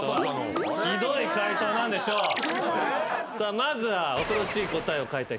まずは。